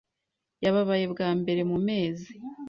Yababaye bwa mbere mumezi.